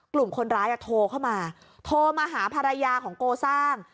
กลุ่มคนร้ายโทรเข้ามาโทรมาหาภรรยาของโกซ่า